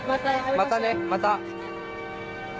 またねまた。